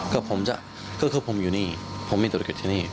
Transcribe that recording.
ก็ผมจะก็คือผมอยู่นี่ผมมีธุรกิจที่นี่